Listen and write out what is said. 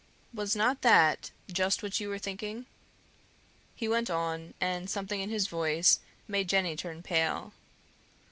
Was not that just what you were thinking?" he went on, and something in his voice made Jenny turn pale.